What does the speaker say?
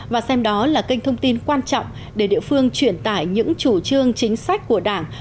và xem đó là kênh thông tin quan trọng để địa phương truyền tải những chủ trương chính sách của đảng